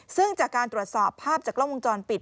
ซึ่งจากการตรวจสอบภาพจากกล้องวงจรปิด